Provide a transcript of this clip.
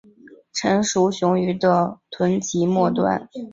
成熟雄鱼的臀鳍末端游离呈条状。